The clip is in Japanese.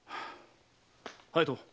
隼人。